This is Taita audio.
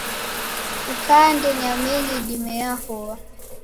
Kukande nyamenyi dime yahoa.